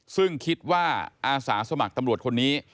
ซึ่งคิดว่าอาสาสมัครตำรวจคนนี้